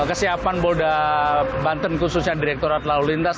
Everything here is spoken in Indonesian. kesiapan polda banten khususnya direkturat lalu lintas